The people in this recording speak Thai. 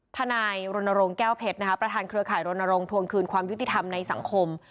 ธนายโรนโรงแก้วเพชรนะคะประธานเครือข่ายโรนโรงทวงคืนความยุติธรรมในสังคม